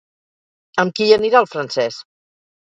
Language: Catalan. Amb qui hi anirà el francès?